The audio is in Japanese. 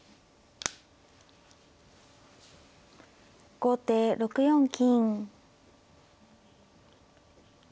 後手６四金。